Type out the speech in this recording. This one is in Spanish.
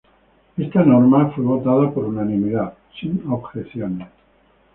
Esta norma fue votada por unanimidad, sin objeciones.